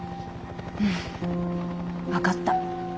うん分かった。